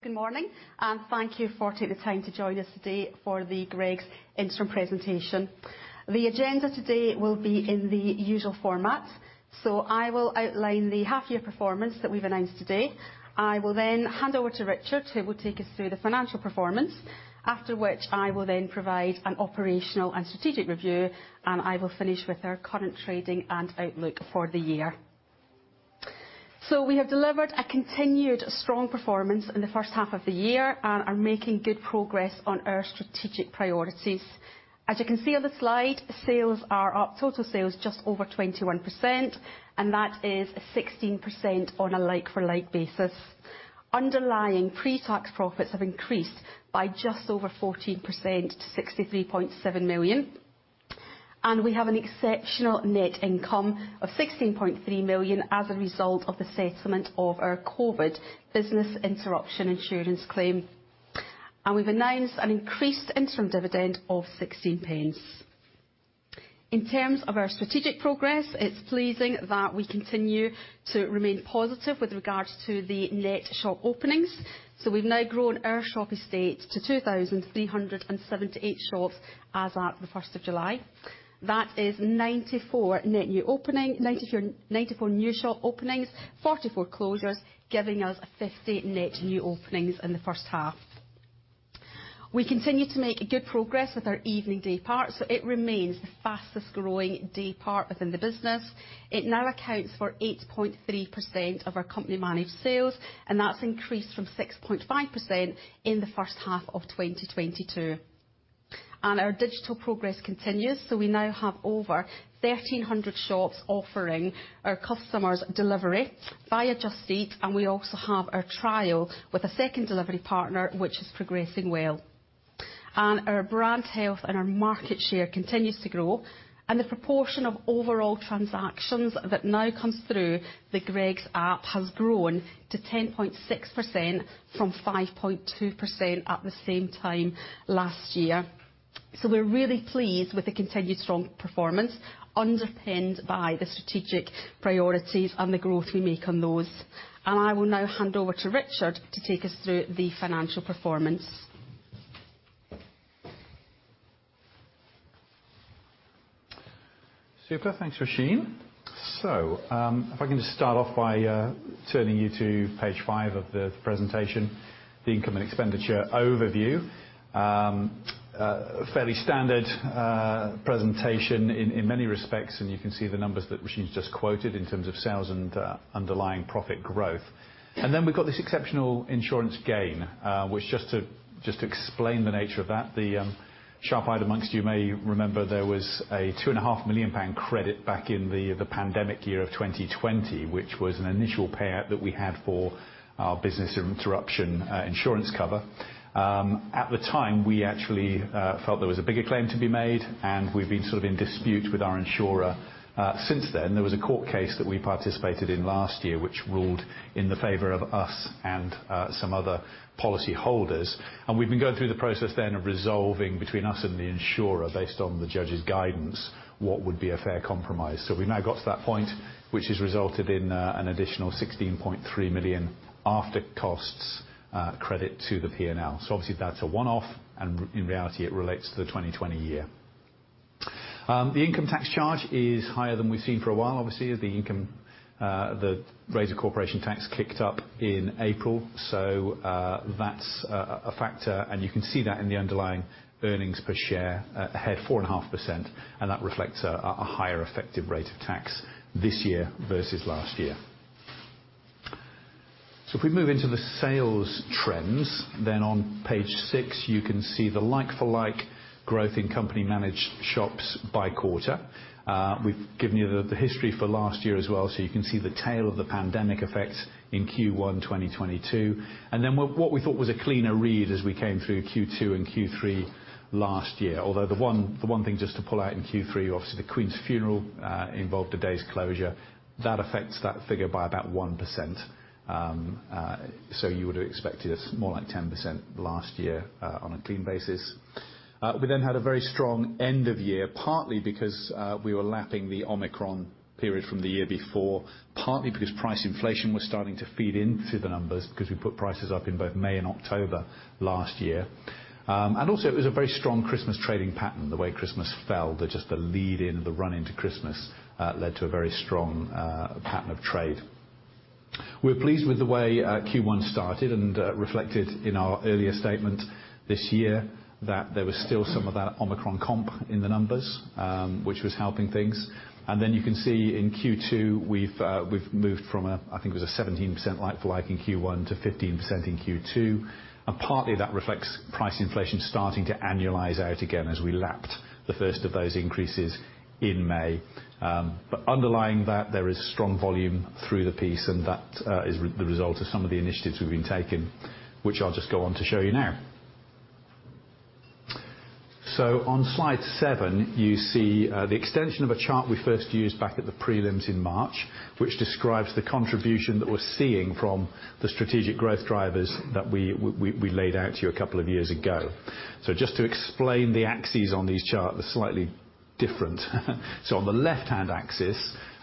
Good morning, and thank you for taking the time to join us today for the Greggs interim presentation. The agenda today will be in the usual format, I will outline the half year performance that we've announced today. I will then hand over to Richard, who will take us through the financial performance, after which I will then provide an operational and strategic review, and I will finish with our current trading and outlook for the year. We have delivered a continued strong performance in the first half of the year, and are making good progress on our strategic priorities. As you can see on the slide, sales are up, total sales just over 21%, and that is 16% on a like-for-like basis. Underlying pre-tax profits have increased by just over 14% to 63.7 million. We have an exceptional net income of 16.3 million as a result of the settlement of our COVID business interruption insurance claim. We've announced an increased interim dividend of 0.16 pence. In terms of our strategic progress, it's pleasing that we continue to remain positive with regards to the net shop openings. We've now grown our shop estate to 2,378 shops as at the first of July. That is 94 net new opening, 94 new shop openings, 44 closures, giving us 50 net new openings in the first half. We continue to make good progress with our evening day part, it remains the fastest growing day part within the business. It now accounts for 8.3% of our company managed sales. That's increased from 6.5% in the first half of 2022. Our digital progress continues. We now have over 1,300 shops offering our customers delivery via Just Eat. We also have a trial with a second delivery partner, which is progressing well. Our brand health and our market share continues to grow. The proportion of overall transactions that now comes through the Greggs App has grown to 10.6% from 5.2% at the same time last year. We're really pleased with the continued strong performance, underpinned by the strategic priorities and the growth we make on those. I will now hand over to Richard to take us through the financial performance. Super. Thanks, Roisin. If I can just start off by turning you to page five of the presentation, the income and expenditure overview. Fairly standard presentation in many respects, and you can see the numbers that Roisin's just quoted in terms of sales and underlying profit growth. Then we've got this exceptional insurance gain, which just to, just to explain the nature of that. The sharp-eyed amongst you may remember there was a 2.5 million pound credit back in the pandemic year of 2020, which was an initial payout that we had for our business interruption insurance cover. At the time, we actually felt there was a bigger claim to be made, and we've been sort of in dispute with our insurer since then. There was a court case that we participated in last year, which ruled in the favor of us and some other policy holders. We've been going through the process then of resolving between us and the insurer, based on the judge's guidance, what would be a fair compromise. We've now got to that point, which has resulted in an additional 16.3 million after costs, credit to the P&L. Obviously, that's a one-off, and in reality, it relates to the 2020 year. The income tax charge is higher than we've seen for a while. Obviously, the income, the rate of corporation tax kicked up in April, that's a factor, and you can see that in the underlying earnings per share, ahead 4.5%, and that reflects a higher effective rate of tax this year versus last year. If we move into the sales trends, then on page six, you can see the like-for-like growth in company-managed shops by quarter. We've given you the history for last year as well, you can see the tail of the pandemic effect in Q1 2022. What we thought was a cleaner read as we came through Q2 and Q3 last year, although the one thing just to pull out in Q3, obviously, the Queen's funeral involved a day's closure. That affects that figure by about 1%. You would have expected it more like 10% last year on a clean basis. We had a very strong end of year, partly because we were lapping the Omicron period from the year before, partly because price inflation was starting to feed into the numbers, because we put prices up in both May and October last year. Also, it was a very strong Christmas trading pattern, the way Christmas fell. The run into Christmas led to a very strong pattern of trade. We're pleased with the way Q1 started and reflected in our earlier statement this year, that there was still some of that Omicron comp in the numbers, which was helping things. Then you can see in Q2, we've moved from a, I think it was a 17% like-for-like in Q1 to 15% in Q2. Partly, that reflects price inflation starting to annualize out again as we lapped the first of those increases in May. Underlying that, there is strong volume through the piece, and that is the result of some of the initiatives we've been taking, which I'll just go on to show you now. On slide seven, you see the extension of a chart we first used back at the prelims in March, which describes the contribution that we're seeing from the strategic growth drivers that we, we, we laid out to you a couple of years ago. Just to explain the axes on these charts, slightly different. On the left-hand axis,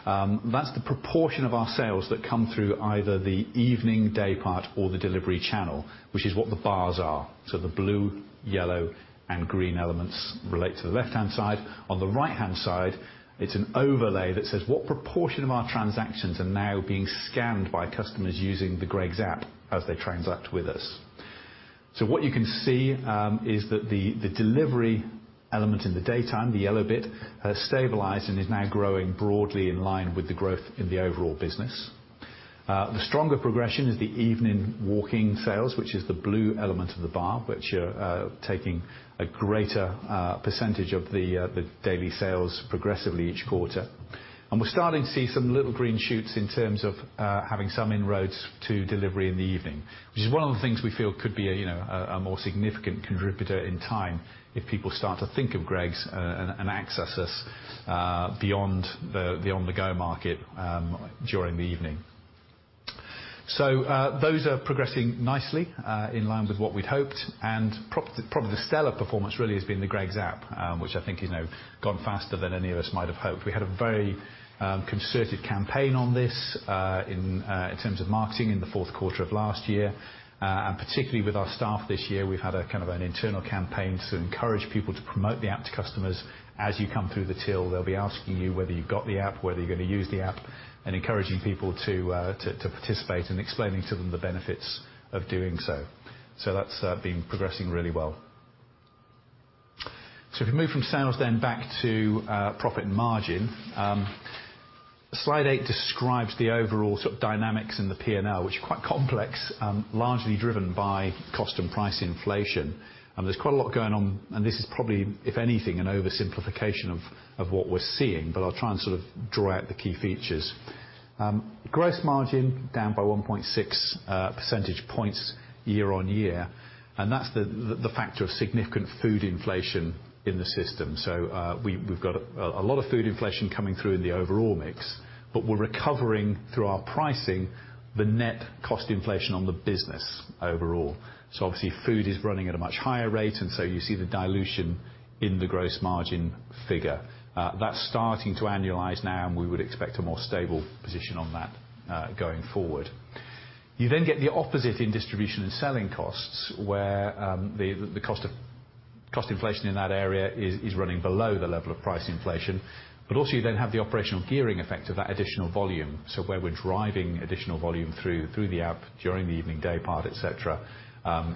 that's the proportion of our sales that come through either the evening day part or the delivery channel, which is what the bars are. The blue, yellow, and green elements relate to the left-hand side. On the right-hand side, it's an overlay that says what proportion of our transactions are now being scanned by customers using the Greggs App as they transact with us. What you can see is that the delivery element in the daytime, the yellow bit, has stabilized and is now growing broadly in line with the growth in the overall business. The stronger progression is the evening walk-in sales, which is the blue element of the bar, which taking a greater % of the daily sales progressively each quarter. We're starting to see some little green shoots in terms of having some inroads to delivery in the evening, which is one of the things we feel could be a, you know, a, a more significant contributor in time if people start to think of Greggs and access us beyond the on-the-go market during the evening. Those are progressing nicely in line with what we'd hoped, and probably the stellar performance really has been the Greggs App, which I think is, you know, gone faster than any of us might have hoped. We had a very concerted campaign on this in terms of marketing in the fourth quarter of last year. Particularly with our staff this year, we've had a kind of an internal campaign to encourage people to promote the App to customers. As you come through the till, they'll be asking you whether you've got the App, whether you're gonna use the App, and encouraging people to participate and explaining to them the benefits of doing so. That's been progressing really well. If you move from sales then back to profit and margin. Slide 8 describes the overall sort of dynamics in the P&L, which are quite complex, largely driven by cost and price inflation. There's quite a lot going on, and this is probably, if anything, an oversimplification of what we're seeing, but I'll try and sort of draw out the key features. Gross margin down by 1.6 percentage points year-over-year, that's the factor of significant food inflation in the system. We've got a lot of food inflation coming through in the overall mix, but we're recovering through our pricing, the net cost inflation on the business overall. Obviously, food is running at a much higher rate, and so you see the dilution in the gross margin figure. That's starting to annualize now, we would expect a more stable position on that going forward. You then get the opposite in distribution and selling costs, where cost inflation in that area is running below the level of price inflation. Also, you then have the operational gearing effect of that additional volume. Where we're driving additional volume through, through the Greggs App, during the evening day part, et cetera,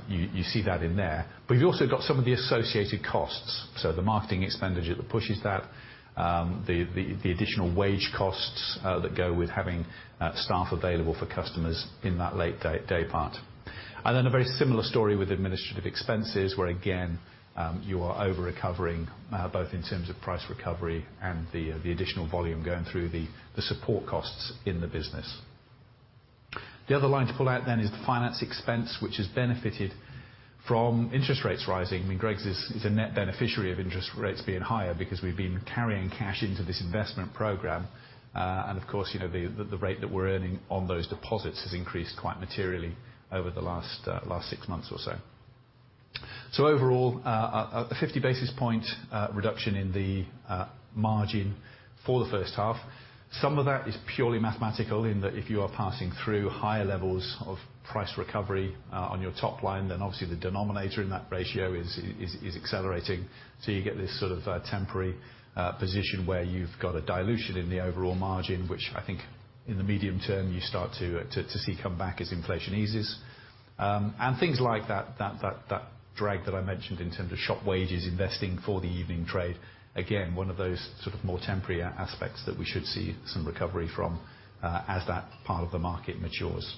you see that in there. You've also got some of the associated costs, so the marketing expenditure that pushes that, the additional wage costs that go with having staff available for customers in that late day, day part. Then a very similar story with administrative expenses, where, again, you are over-recovering both in terms of price recovery and the additional volume going through the support costs in the business. The other line to pull out then is the finance expense, which has benefited from interest rates rising. I mean, Greggs is a net beneficiary of interest rates being higher because we've been carrying cash into this investment program. Of course, you know, the rate that we're earning on those deposits has increased quite materially over the last six months or so. Overall, a 50 basis point reduction in the margin for the first half. Some of that is purely mathematical in that if you are passing through higher levels of price recovery on your top line, then obviously the denominator in that ratio is accelerating. You get this sort of temporary position where you've got a dilution in the overall margin, which I think in the medium term, you start to see come back as inflation eases. Things like that drag that I mentioned in terms of shop wages, investing for the evening trade. Again, one of those sort of more temporary aspects that we should see some recovery from, as that part of the market matures.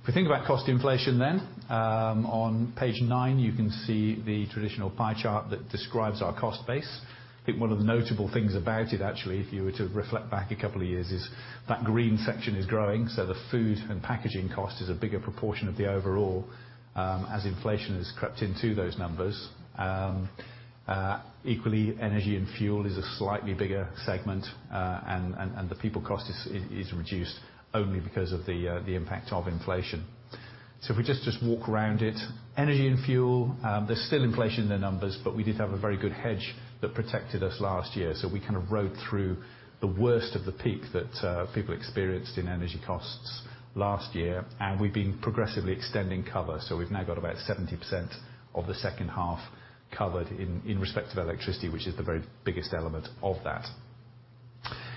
If we think about cost inflation then, on page 9, you can see the traditional pie chart that describes our cost base. I think one of the notable things about it, actually, if you were to reflect back a couple of years, is that green section is growing, so the food and packaging cost is a bigger proportion of the overall, as inflation has crept into those numbers. Equally, energy and fuel is a slightly bigger segment, and the people cost is reduced only because of the impact of inflation. If we just, just walk around it, energy and fuel, there's still inflation in the numbers, but we did have a very good hedge that protected us last year. We kind of rode through the worst of the peak that people experienced in energy costs last year, and we've been progressively extending cover. We've now got about 70% of the second half covered in, in respect to electricity, which is the very biggest element of that.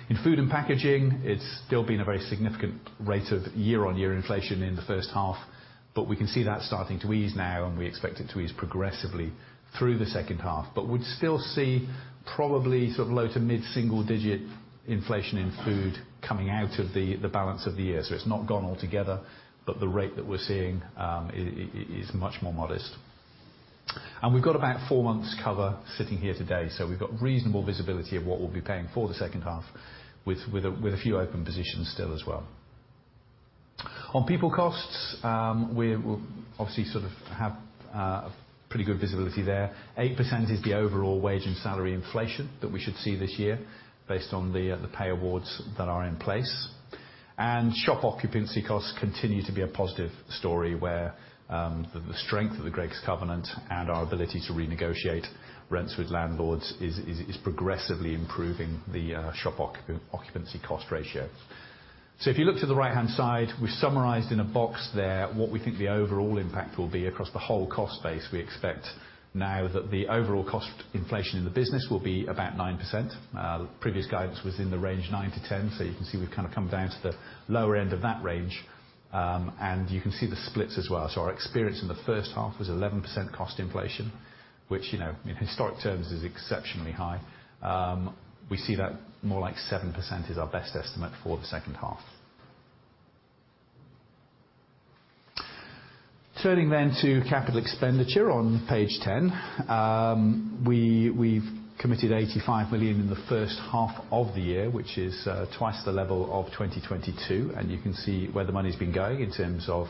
In food and packaging, it's still been a very significant rate of year-on-year inflation in the first half, but we can see that starting to ease now, and we expect it to ease progressively through the second half. We'd still see probably sort of low to mid-single-digit inflation in food coming out of the, the balance of the year. It's not gone altogether, but the rate that we're seeing is much more modest. We've got about four months cover sitting here today, so we've got reasonable visibility of what we'll be paying for the second half, with a few open positions still as well. On people costs, we obviously sort of have pretty good visibility there. Eight percent is the overall wage and salary inflation that we should see this year based on the pay awards that are in place. Shop occupancy costs continue to be a positive story, where the strength of the Greggs covenant and our ability to renegotiate rents with landlords is progressively improving the shop occupancy cost ratio. If you look to the right-hand side, we've summarized in a box there what we think the overall impact will be across the whole cost base. We expect now that the overall cost inflation in the business will be about 9%. Previous guidance was in the range 9-10, so you can see we've kind of come down to the lower end of that range. You can see the splits as well. Our experience in the first half was 11% cost inflation, which, you know, in historic terms, is exceptionally high. We see that more like 7% is our best estimate for the second half. Turning then to capital expenditure on page 10. We, we've committed 85 million in the first half of the year, which is twice the level of 2022, and you can see where the money's been going in terms of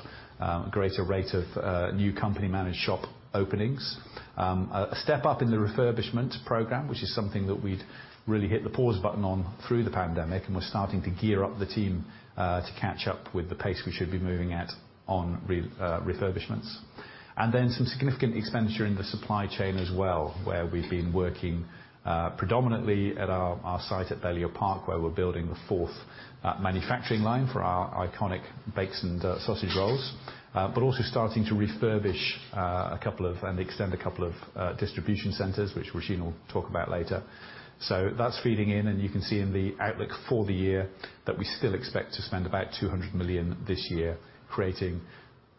greater rate of new company-managed shop openings. A step up in the refurbishment program, which is something that we'd really hit the pause button on through the pandemic, and we're starting to gear up the team to catch up with the pace we should be moving at on refurbishments. And then some significant expenditure in the supply chain as well, where we've been working, predominantly at our, our site at Balliol Park, where we're building the fourth manufacturing line for our iconic bakes and sausage rolls. Also starting to refurbish, a couple of, and extend a couple of, distribution centers, which Roisin will talk about later. That's feeding in, and you can see in the outlook for the year that we still expect to spend about 200 million this year, creating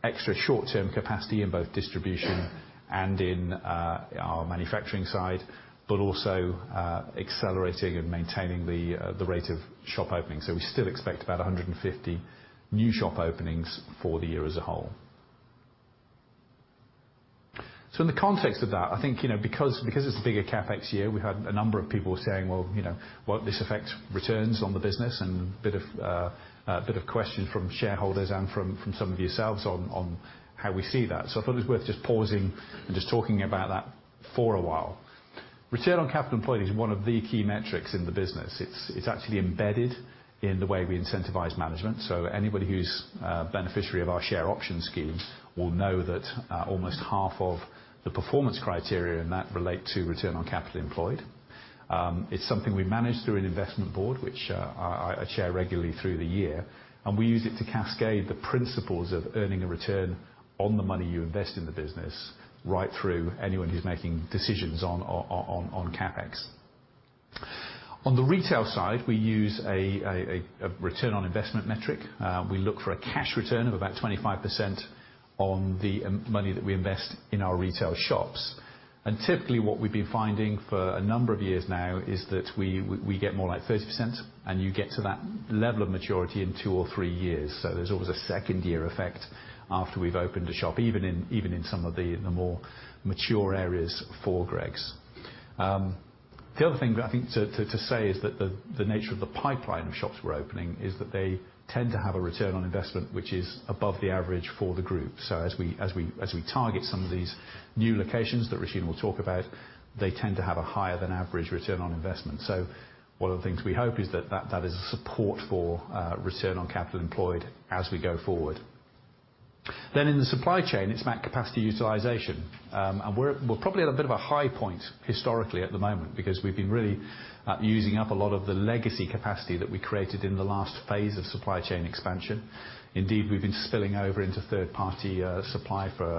extra short-term capacity in both distribution and in, our manufacturing side, but also, accelerating and maintaining the, the rate of shop openings. We still expect about 150 new shop openings for the year as a whole. In the context of that, I think, you know, because, because it's a bigger CapEx year, we've had a number of people saying, "Well, you know, won't this affect returns on the business?" A bit of, a bit of question from shareholders and from, from some of yourselves on, on how we see that. I thought it was worth just pausing and just talking about that for a while. Return on capital employed is one of the key metrics in the business. It's actually embedded in the way we incentivize management. Anybody who's a beneficiary of our share option scheme will know that almost half of the performance criteria in that relate to return on capital employed. It's something we manage through an investment board, which I chair regularly through the year, and we use it to cascade the principles of earning a return on the money you invest in the business, right through anyone who's making decisions on CapEx. On the retail side, we use a return on investment metric. We look for a cash return of about 25% on the money that we invest in our retail shops. Typically, what we've been finding for a number of years now is that we get more like 30%, and you get to that level of maturity in 2 or 3 years. There's always a second year effect after we've opened a shop, even in, even in some of the more mature areas for Greggs. The other thing that I think to say is that the nature of the pipeline of shops we're opening is that they tend to have a return on investment, which is above the average for the group. As we target some of these new locations that Roisin will talk about, they tend to have a higher than average return on investment. One of the things we hope is that that is a support for return on capital employed as we go forward. In the supply chain, it's about capacity utilization. We're probably at a bit of a high point historically at the moment, because we've been really using up a lot of the legacy capacity that we created in the last phase of supply chain expansion. Indeed, we've been spilling over into third-party supply for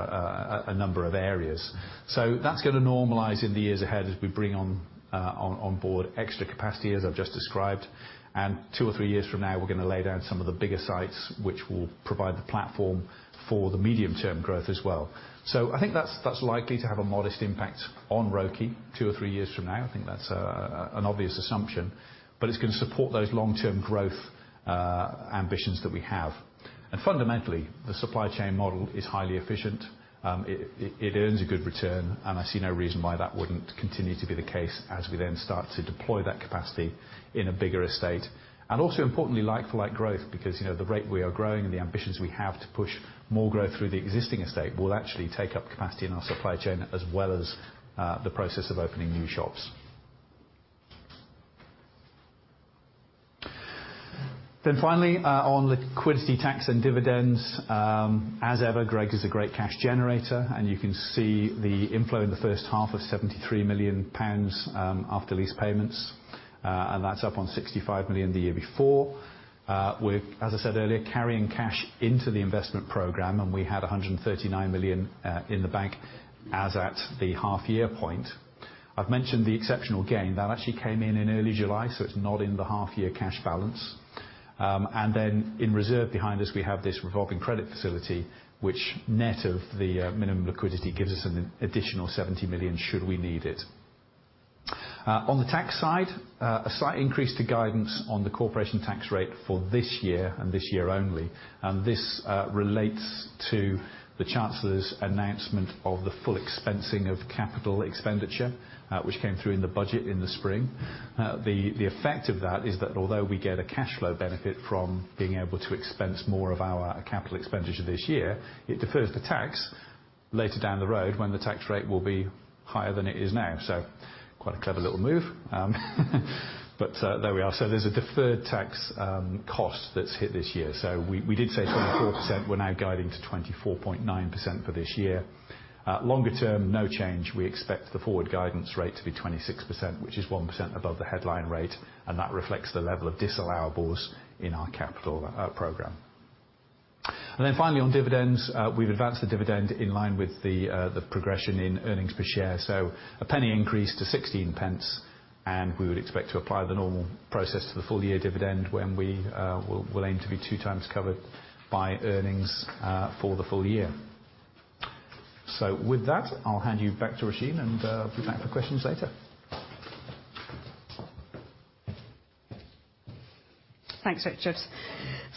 a number of areas. That's going to normalize in the years ahead as we bring on board extra capacity, as I've just described. Two or three years from now, we're going to lay down some of the bigger sites, which will provide the platform for the medium-term growth as well. I think that's likely to have a modest impact on ROCE 2 or 3 years from now. I think that's an obvious assumption, but it's going to support those long-term growth ambitions that we have. Fundamentally, the supply chain model is highly efficient. It earns a good return, and I see no reason why that wouldn't continue to be the case as we then start to deploy that capacity in a bigger estate. Also, importantly, like-for-like growth, because, you know, the rate we are growing and the ambitions we have to push more growth through the existing estate will actually take up capacity in our supply chain, as well as the process of opening new shops. Finally, on liquidity, tax, and dividends. As ever, Greggs is a great cash generator, and you can see the inflow in the first half of 73 million pounds after lease payments, and that's up on 65 million the year before. We're, as I said earlier, carrying cash into the investment program, and we had 139 million in the bank as at the half year point. I've mentioned the exceptional gain. That actually came in in early July, so it's not in the half year cash balance. Then in reserve behind us, we have this revolving credit facility, which net of the minimum liquidity, gives us an additional 70 million, should we need it. On the tax side, a slight increase to guidance on the corporation tax rate for this year and this year only. This relates to the Chancellor's announcement of the full expensing of capital expenditure, which came through in the budget in the spring. The effect of that is that although we get a cash flow benefit from being able to expense more of our capital expenditure this year, it defers the tax later down the road, when the tax rate will be higher than it is now. Quite a clever little move. There we are. There's a deferred tax cost that's hit this year. We, we did say 24%, we're now guiding to 24.9% for this year. Longer term, no change. We expect the forward guidance rate to be 26%, which is 1% above the headline rate, and that reflects the level of disallowables in our capital program. Then finally, on dividends, we've advanced the dividend in line with the progression in earnings per share, so a GBP 0.01 increase to 0.16 pence. We would expect to apply the normal process to the full year dividend, when we will, will aim to be two times covered by earnings for the full year. With that, I'll hand you back to Roisin, and be back for questions later. Thanks, Richard.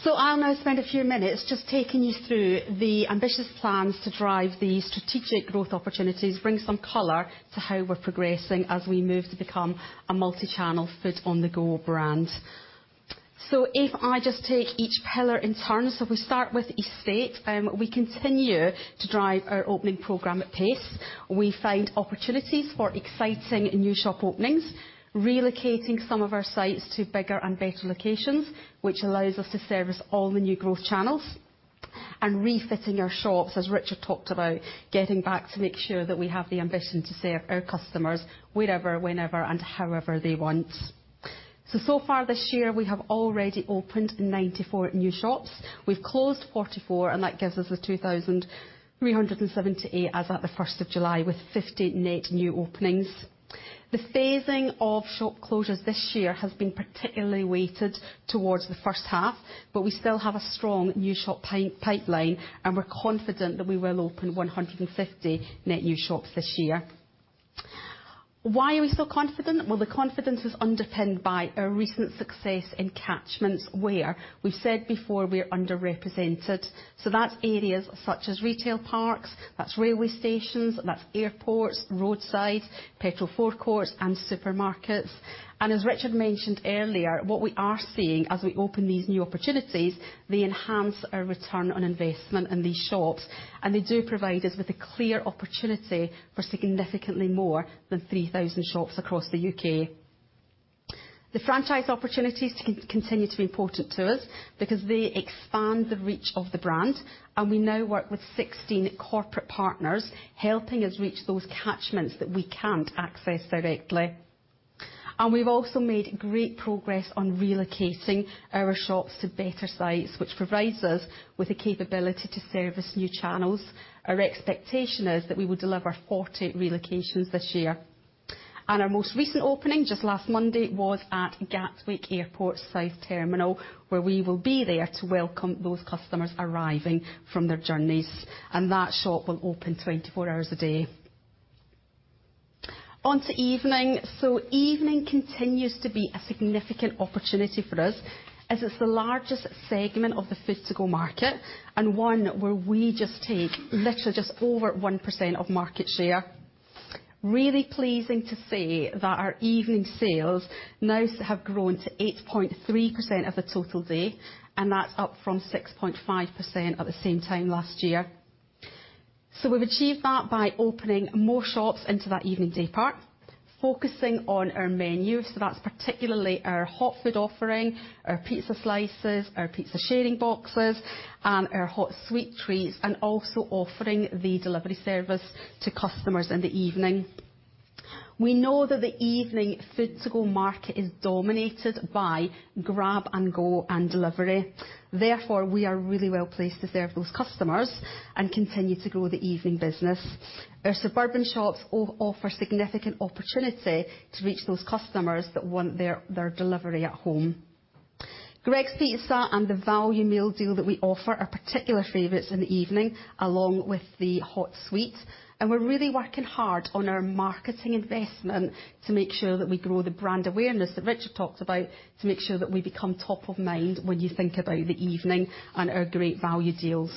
I'll now spend a few minutes just taking you through the ambitious plans to drive the strategic growth opportunities, bring some color to how we're progressing as we move to become a multi-channel food on-the-go brand. If I just take each pillar in turn, so we start with estate. We continue to drive our opening program at pace. We find opportunities for exciting new shop openings, relocating some of our sites to bigger and better locations, which allows us to service all the new growth channels. And refitting our shops, as Richard talked about, getting back to make sure that we have the ambition to serve our customers wherever, whenever, and however they want. So far this year, we have already opened 94 new shops. We've closed 44. That gives us a 2,378, as at the 1st of July, with 50 net new openings. The phasing of shop closures this year has been particularly weighted towards the first half. We still have a strong new shop pipeline. We're confident that we will open 150 net new shops this year. Why are we so confident? Well, the confidence is underpinned by a recent success in catchments, where we've said before we're underrepresented, so that's areas such as retail parks, that's railway stations, that's airports, roadside, petrol forecourts, and supermarkets. As Richard mentioned earlier, what we are seeing as we open these new opportunities, they enhance our return on investment in these shops. They do provide us with a clear opportunity for significantly more than 3,000 shops across the UK. The franchise opportunities continue to be important to us, because they expand the reach of the brand, and we now work with 16 corporate partners, helping us reach those catchments that we can't access directly. We've also made great progress on relocating our shops to better sites, which provides us with the capability to service new channels. Our expectation is that we will deliver 40 relocations this year. Our most recent opening, just last Monday, was at Gatwick Airport South Terminal, where we will be there to welcome those customers arriving from their journeys, and that shop will open 24 hours a day. On to Evening. Evening continues to be a significant opportunity for us, as it's the largest segment of the food to go market, and one where we just take literally just over 1% of market share. Really pleasing to say that our evening sales now have grown to 8.3% of the total day. That's up from 6.5% at the same time last year. We've achieved that by opening more shops into that evening day part, focusing on our menu, so that's particularly our hot food offering, our pizza slices, our pizza sharing boxes, and our hot sweet treats, and also offering the delivery service to customers in the evening. We know that the evening food to go market is dominated by grab and go, and delivery. Therefore, we are really well placed to serve those customers and continue to grow the evening business. Our suburban shops offer significant opportunity to reach those customers that want their delivery at home. Greggs pizza and the value meal deal that we offer are particular favorites in the evening, along with the hot sweets, and we're really working hard on our marketing investment to make sure that we grow the brand awareness that Richard talked about, to make sure that we become top of mind when you think about the evening and our great value deals.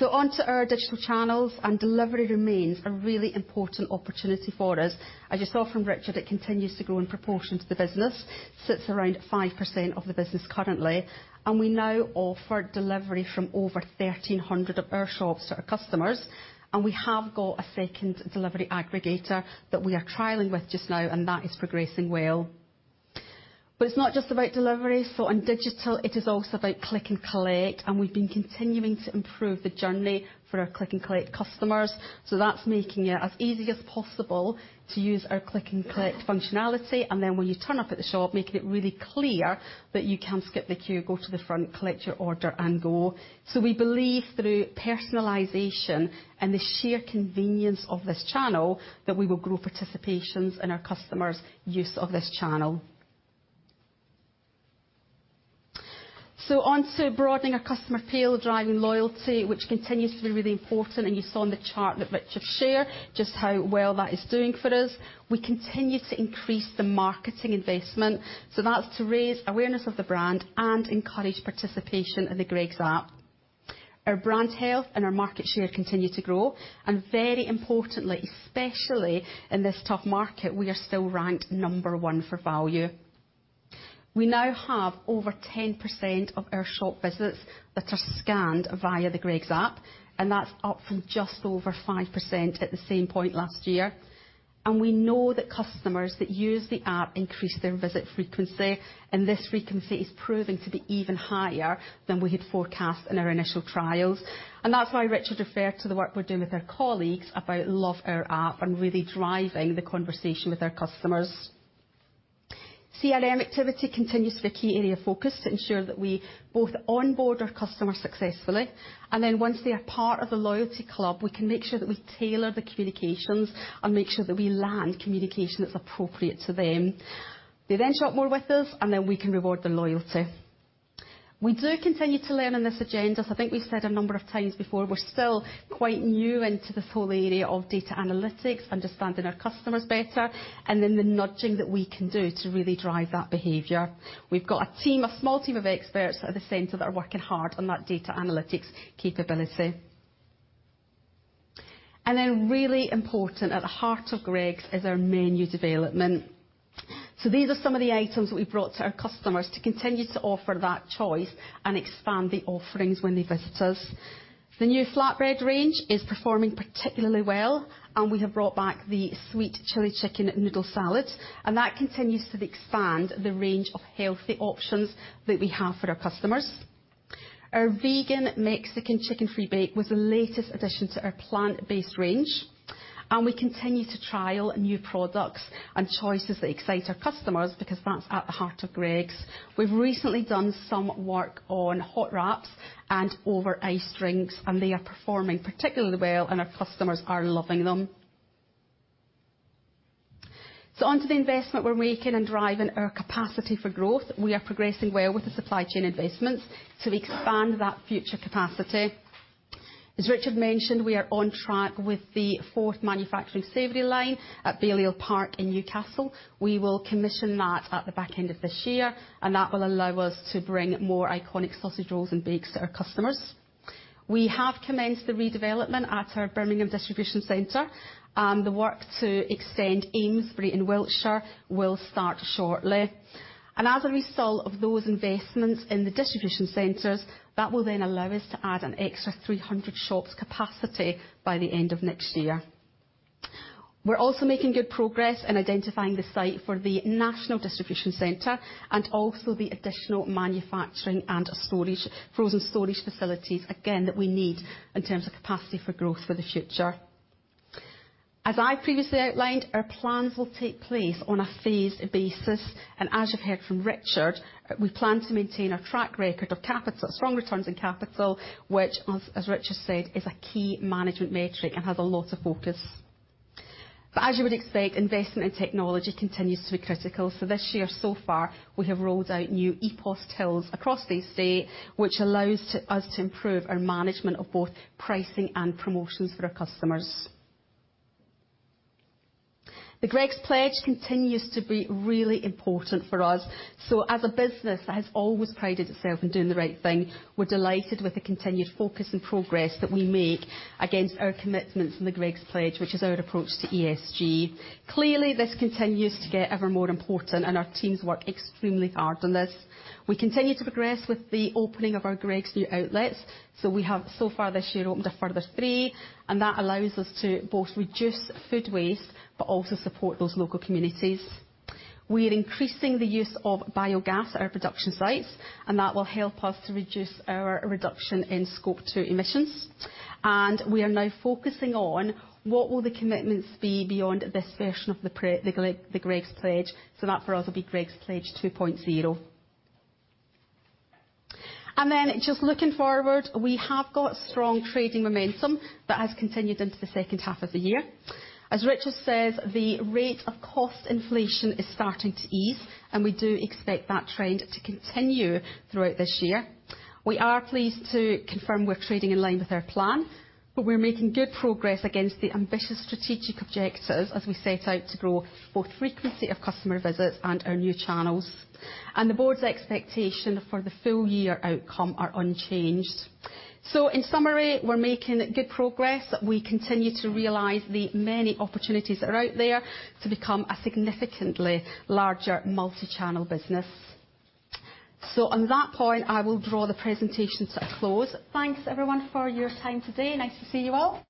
On to our digital channels, and delivery remains a really important opportunity for us. As you saw from Richard, it continues to grow in proportion to the business. Sits around 5% of the business currently, and we now offer delivery from over 1,300 of our shops to our customers, and we have got a second delivery aggregator that we are trialing with just now, and that is progressing well. It's not just about delivery, so on digital, it is also about click and collect, and we've been continuing to improve the journey for our click and collect customers. That's making it as easy as possible to use our click and collect functionality, and then when you turn up at the shop, making it really clear that you can skip the queue, go to the front, collect your order, and go. We believe through personalization and the sheer convenience of this channel, that we will grow participations in our customers' use of this channel. Onto broadening our customer appeal, driving loyalty, which continues to be really important, and you saw in the chart that Richard shared, just how well that is doing for us. We continue to increase the marketing investment, so that's to raise awareness of the brand and encourage participation in the Greggs App. Our brand health and our market share continue to grow, very importantly, especially in this tough market, we are still ranked number one for value. We now have over 10% of our shop visits that are scanned via the Greggs App, and that's up from just over 5% at the same point last year. We know that customers that use the App increase their visit frequency, and this frequency is proving to be even higher than we had forecast in our initial trials. That's why Richard referred to the work we're doing with our colleagues about Love Our App, and really driving the conversation with our customers. CRM activity continues to be a key area of focus to ensure that we both onboard our customers successfully, and then once they are part of the loyalty club, we can make sure that we tailor the communications and make sure that we land communication that's appropriate to them. They then shop more with us, and then we can reward their loyalty. We do continue to learn on this agenda. I think we've said a number of times before, we're still quite new into this whole area of data analytics, understanding our customers better, and then the nudging that we can do to really drive that behavior. We've got a team, a small team of experts at the center that are working hard on that data analytics capability. Really important, at the heart of Greggs, is our menu development. These are some of the items we've brought to our customers to continue to offer that choice and expand the offerings when they visit us. The new flatbread range is performing particularly well. We have brought back the sweet chili chicken noodle salad. That continues to expand the range of healthy options that we have for our customers. Our Vegan Mexican Chicken-free Bake was the latest addition to our plant-based range. We continue to trial new products and choices that excite our customers, because that's at the heart of Greggs. We've recently done some work on hot wraps and over ice drinks. They are performing particularly well, and our customers are loving them. On to the investment we're making in driving our capacity for growth. We are progressing well with the supply chain investments to expand that future capacity. As Richard mentioned, we are on track with the fourth manufacturing savory line at Balliol Park in Newcastle. We will commission that at the back end of this year, and that will allow us to bring more iconic sausage rolls and bakes to our customers. We have commenced the redevelopment at our Birmingham distribution center, and the work to extend Amesbury in Wiltshire will start shortly. As a result of those investments in the distribution centers, that will then allow us to add an extra 300 shops capacity by the end of next year. We're also making good progress in identifying the site for the national distribution center, and also the additional manufacturing and storage, frozen storage facilities, again, that we need in terms of capacity for growth for the future. As I previously outlined, our plans will take place on a phased basis. As you've heard from Richard, we plan to maintain our track record of capital, strong returns in capital, which as Richard said, is a key management metric and has a lot of focus. As you would expect, investment in technology continues to be critical. This year, so far, we have rolled out new EPOS tills across the estate, which allows us to improve our management of both pricing and promotions, for our customers. The Greggs Pledge continues to be really important for us. As a business that has always prided itself in doing the right thing, we're delighted with the continued focus and progress that we make against our commitments in the Greggs Pledge, which is our approach to ESG. Clearly, this continues to get ever more important, and our teams work extremely hard on this. We continue to progress with the opening of our Greggs new outlets. We have, so far this year, opened a further three, and that allows us to both reduce food waste, but also support those local communities. We are increasing the use of biogas at our production sites, and that will help us to reduce our reduction in Scope two emissions. We are now focusing on what will the commitments be beyond this version of the Greggs Pledge. That, for us, will be Greggs Pledge 2.0. Just looking forward, we have got strong trading momentum that has continued into the second half of the year. As Richard says, the rate of cost inflation is starting to ease, and we do expect that trend to continue throughout this year. We are pleased to confirm we're trading in line with our plan, but we're making good progress against the ambitious strategic objectives as we set out to grow both frequency of customer visits and our new channels. The board's expectation for the full year outcome are unchanged. In summary, we're making good progress. We continue to realize the many opportunities that are out there to become a significantly larger multi-channel business. On that point, I will draw the presentation to a close. Thanks, everyone, for your time today. Nice to see you all.